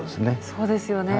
そうですよね。